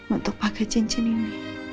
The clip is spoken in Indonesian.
untuk pakai jenjin ini